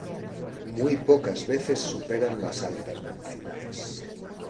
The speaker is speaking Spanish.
Muy pocas veces superan las altas velocidades.